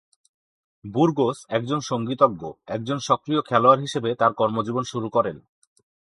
Burgos একজন সঙ্গীতজ্ঞ, একজন সক্রিয় খেলোয়াড় হিসেবে তার কর্মজীবন শুরু করেন।